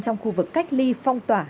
trong khu vực cách ly phong tỏa